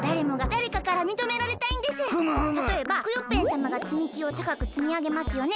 たとえばクヨッペンさまがつみきをたかくつみあげますよね？